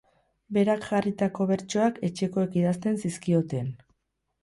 Berak jarritako bertsoak etxekoek idazten zizkioten.